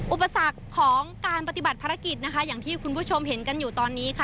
อุปสรรคของการปฏิบัติภารกิจนะคะอย่างที่คุณผู้ชมเห็นกันอยู่ตอนนี้ค่ะ